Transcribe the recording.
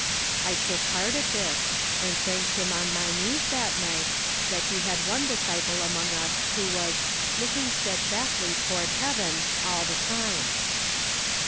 I took heart at this, and thanked him on my knees that night, that he had one disciple among us who was " looking steadfastly toward heaven" all the time.